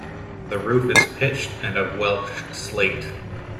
The roof is pitched and of Welsh slate.